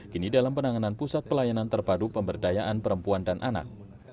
kini dalam penanganan pusat pelayanan terpadu pemberdayaan perempuan dan anak